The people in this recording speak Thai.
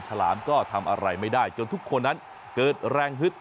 ฉลามก็ทำอะไรไม่ได้จนทุกคนนั้นเกิดแรงฮึด